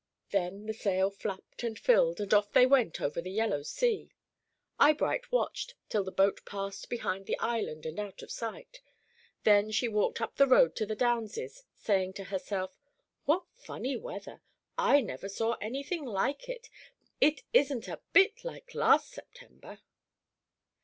Then the sail flapped and filled, and off they went over the yellow sea. Eyebright watched till the boat passed behind the island, and out of sight; then she walked up the road to the Downs's, saying to herself, "What funny weather! I never saw any thing like it. It isn't a bit like last September."